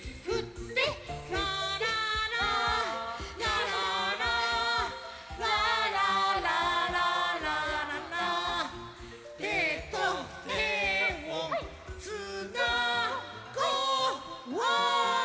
「ラララララララララララララ」「手と手をつなごう！」